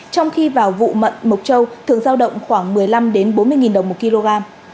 trong khi vào vụ mận mộc châu thường giao động khoảng một mươi năm bốn mươi đồng một kg